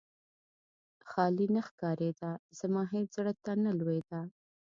خالي نه ښکارېده، زما هېڅ زړه ته نه لوېده.